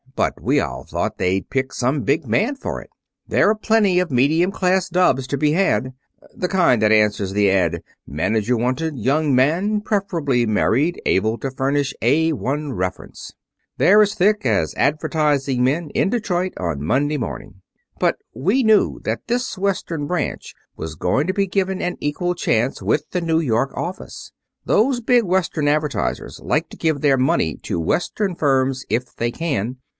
But we all thought they'd pick some big man for it. There are plenty of medium class dubs to be had. The kind that answers the ad: 'Manager wanted, young man, preferably married, able to furnish A 1 reference.' They're as thick as advertising men in Detroit on Monday morning. But we knew that this Western branch was going to be given an equal chance with the New York office. Those big Western advertisers like to give their money to Western firms if they can.